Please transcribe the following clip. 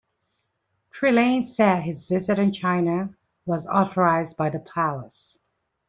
Trillanes said his visit in China was authorized by the Palace.